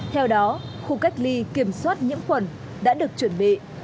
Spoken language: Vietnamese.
theo đó khu cách ly kiểm soát nhiễm khuẩn đã được chuẩn bị